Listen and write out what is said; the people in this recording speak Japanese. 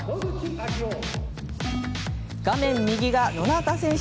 画面右が野中選手。